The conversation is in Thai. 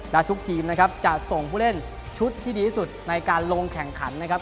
และทุกทีมนะครับจะส่งผู้เล่นชุดที่ดีที่สุดในการลงแข่งขันนะครับ